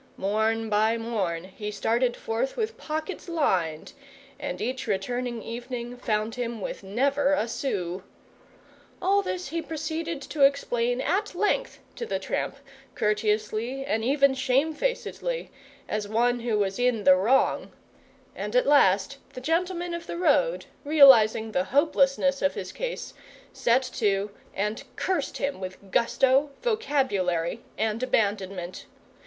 Morn by morn he started forth with pockets lined; and each returning evening found him with never a sou. All this he proceeded to explain at length to the tramp, courteously and even shamefacedly, as one who was in the wrong; and at last the gentleman of the road, realising the hopelessness of his case, set to and cursed him with gusto, vocabulary, and abandonment.